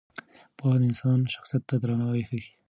پوهه د انسان شخصیت ته درناوی بښي.